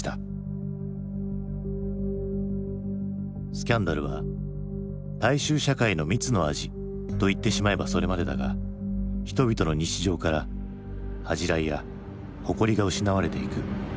スキャンダルは大衆社会の蜜の味といってしまえばそれまでだが人々の日常から恥じらいや誇りが失われていく。